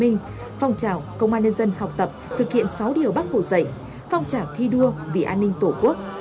tuyên truyền phong trào công an nhân dân học tập thực hiện sáu điều bác hổ dạy phong trả thi đua vì an ninh tổ quốc